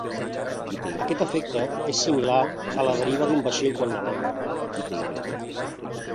Aquest efecte és similar a la deriva d'un vaixell quan navega.